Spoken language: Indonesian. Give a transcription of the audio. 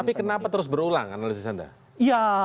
tapi kenapa terus berulang analisis anda